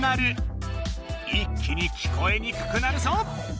一気に聞こえにくくなるぞ！